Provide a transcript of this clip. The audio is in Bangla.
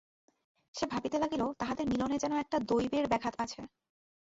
সে ভাবিতে লাগিল, তাহাদের মিলনে যেন একটা দৈবের ব্যাঘাত আছে।